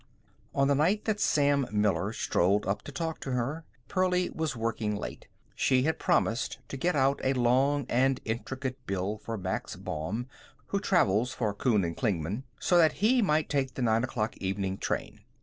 On the night that Sam Miller strolled up to talk to her, Pearlie was working late. She had promised to get out a long and intricate bill for Max Baum, who travels for Kuhn and Klingman, so that he might take the nine o'clock evening train.